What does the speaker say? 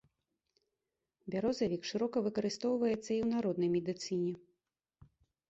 Бярозавік шырока выкарыстоўваецца і ў народнай медыцыне.